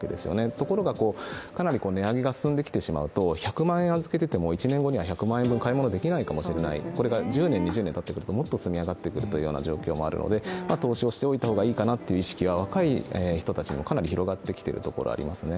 ところが、かなり値上げが進んできてしまうと１００万円預けていても１年後には買い物できないかもしれない、これが１０年、２０年たっていくともっと積み上がってくる状況もあるので投資をしておいた方がいいという意識が若い人たちにもかなり広がってきているところがありますよね。